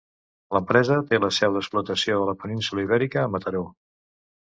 L'empresa té la seu d'explotació de la península Ibèrica a Mataró.